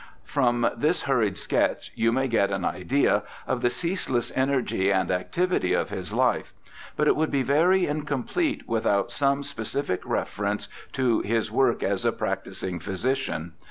From this hurried sketch you may get an idea of the ceaseless energy and activity of his life, but it would be very incomplete without some specific reference to his work as a practising physician.